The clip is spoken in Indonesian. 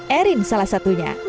erin salah satunya